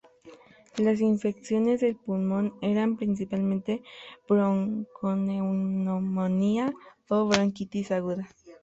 Las infecciones del pulmón eran principalmente bronconeumonía o bronquitis aguda.